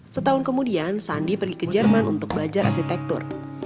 setahun kemudian sandi pergi ke jerman untuk belajar arsitektur